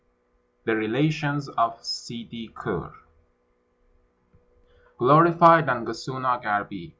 THE RELATIONS OF SSIDI KUR. Glorified Nangasuna Garbi!